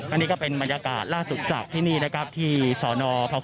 อันนี้ก็เป็นบรรยากาศล่าสุดจากที่นี่นะครับที่สนพ